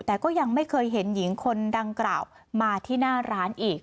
แต่ก็ยังไม่เคยเห็นหญิงคนดังกล่าวมาที่หน้าร้านอีก